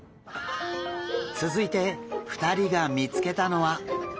続いて２人が見つけたのは。